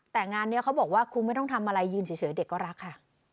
แต่งานนี้เขาบอกว่าครูไม่ต้องทำอะไรยืนเฉยเด็กก็รักค่ะ